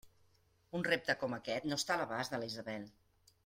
Un repte com aquest no està a l'abast de la Isabel!